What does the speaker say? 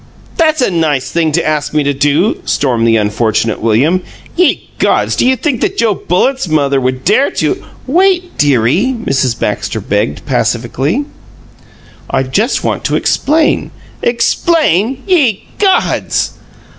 "That's a nice thing to ask me to do!" stormed the unfortunate William. "Ye gods! Do you think Joe Bullitt's mother would dare to " "Wait, dearie!" Mrs. Baxter begged, pacifically. "I just want to explain " "'Explain'! Ye gods!"